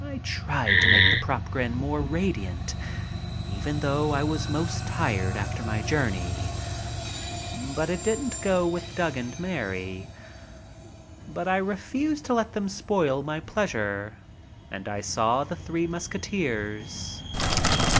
I tried to make the "prop" grin more radiant, even though I was most tired after my journey, but it didn't go with Doug and Mary. But I refused to let them spoil my pleasure and I saw "The Three Musketeers."